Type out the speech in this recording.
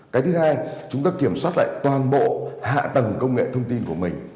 cái thứ hai chúng ta kiểm soát lại toàn bộ hạ tầng công nghệ thông tin của mình